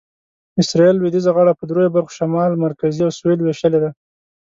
اسرایل لویدیځه غاړه په دریو برخو شمال، مرکزي او سویل وېشلې ده.